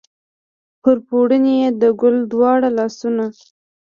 پر پوړني یې د ګل دواړه لاسونه